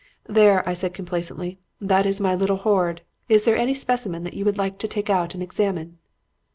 "'There,' I said complacently, 'that is my little hoard. Is there any specimen that you would like to take out and examine?'